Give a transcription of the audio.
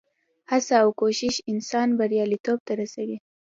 هڅه او کوښښ انسان بریالیتوب ته رسوي.